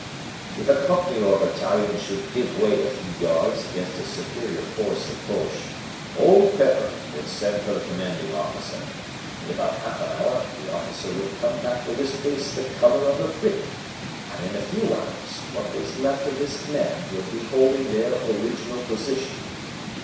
"If a company or battalion should give way a few yards against a superior force of Boches, Old Pepper would send for the commanding officer. In about half an hour the officer would come back with his face the color of a brick, and in a few hours, what was left of his command, would be holding their original position.